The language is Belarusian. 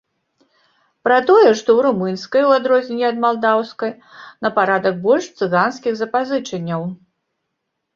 Пра тое, што ў румынскай, у адрозненне ад малдаўскай, на парадак больш цыганскіх запазычанняў.